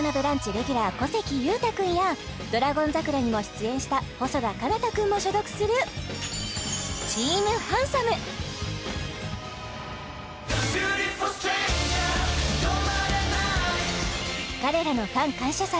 レギュラー小関裕太くんや「ドラゴン桜」にも出演した細田佳央太くんも所属する彼らのファン感謝祭